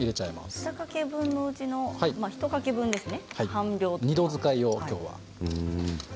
２かけ分のうちの１かけ分ですね。